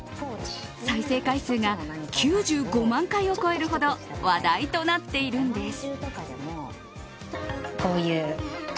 再生回数が９５万回を超えるほど話題となっているんです。